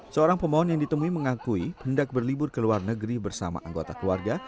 seorang pemohon yang ditemui mengakui hendak berlibur ke luar negeri bersama anggota keluarga